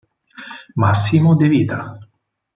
Massimo de Vita